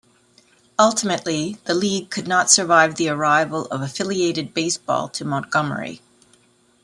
Ultimately, the league could not survive the arrival of affiliated baseball to Montgomery.